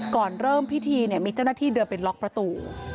ก่อนเริ่มพิธีมีเจ้าหน้าที่เดินไปล็อกประตู